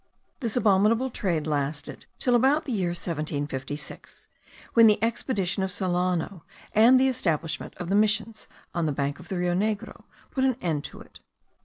This abominable trade lasted till about the year 1756; when the expedition of Solano, and the establishment of the missions on the banks of the Rio Negro, put an end to it.